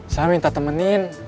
saya minta temenin